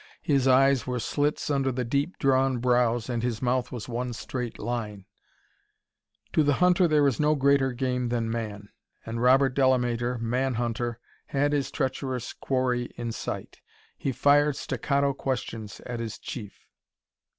His eyes were slits under the deep drawn brows, and his mouth was one straight line. To the hunter there is no greater game than man. And Robert Delamater, man hunter, had his treacherous quarry in sight. He fired staccato questions at his Chief.